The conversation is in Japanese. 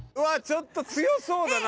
ちょっと強そうだな。